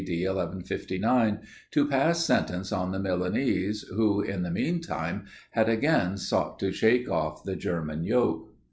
D. 1159) to pass sentence on the Milanese, who, in the mean time, had again sought to shake off the German yoke.